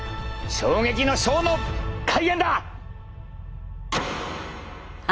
衝撃のショーの開演だ！